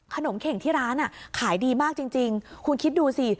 ขนมเข็งที่ร้านอ่ะขายดีมากจริงจริงคุณคิดดูสิ